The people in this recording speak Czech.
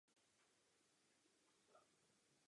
Tomuto tématu byla též věnována stručná diskuse.